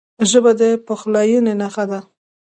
ژبه د پخلاینې نښه ده